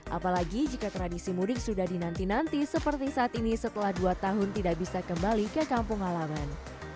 apalagi jika tradisi mudik sudah dinanti nanti seperti saat ini setelah dua tahun tidak bisa kembali ke kampung halaman